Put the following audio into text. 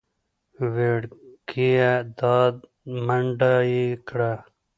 وېړکيه دا ده منډه يې کړه .